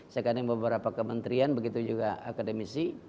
sekadang beberapa kementrian begitu juga akademisi